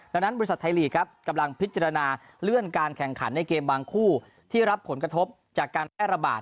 ดังนั้นบริษัทไทยลีกครับกำลังพิจารณาเลื่อนการแข่งขันในเกมบางคู่ที่รับผลกระทบจากการแพร่ระบาด